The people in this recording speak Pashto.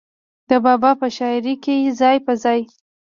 د بابا پۀ شاعرۍ کښې ځای پۀ ځای